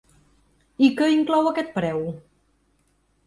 I que inclou aquest preu?